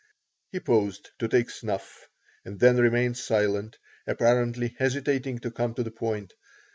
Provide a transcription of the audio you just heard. He paused to take snuff and then remained silent, apparently hesitating to come to the point.